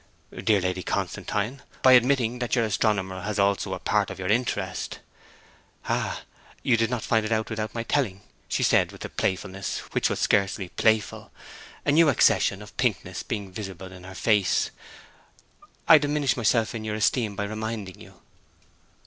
'Dear Lady Constantine, by admitting that your astronomer has also a part of your interest ' 'Ah, you did not find it out without my telling!' she said, with a playfulness which was scarcely playful, a new accession of pinkness being visible in her face. 'I diminish myself in your esteem by reminding you.'